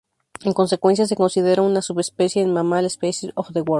En consecuencia, se considera una subespecie en "Mammal Species of the World".